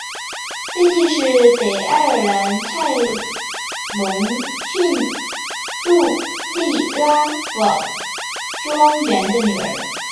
贝蒂是北爱尔兰泰隆郡杜利拉冈庄园的女儿。